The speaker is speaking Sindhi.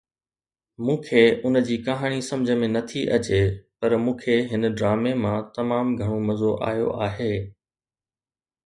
مون کي ان جي ڪهاڻي سمجهه ۾ نه ٿي اچي پر مون کي هن ڊرامي مان تمام گهڻو مزو آيو آهي